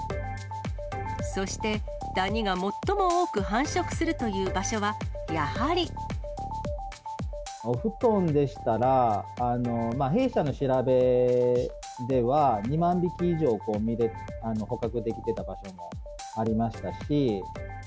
そして、ダニが最も多く繁殖するという場所は、やはり。お布団でしたら、弊社の調べでは、２万匹以上捕獲できてた場所もありましたし。